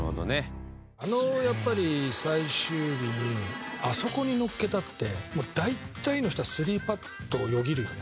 あのやっぱり最終日にあそこにのっけたって大体の人は３パットよぎるよね。